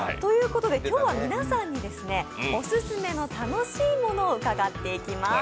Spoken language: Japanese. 今日は皆さんにオススメの楽しいものを伺っていきます。